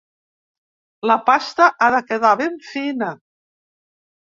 La pasta ha de quedar ben fina.